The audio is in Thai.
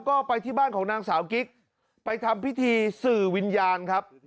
ก็ไปที่บ้านของนางสาวกิ๊กไปทำพิธีสื่อวิญญาณครับ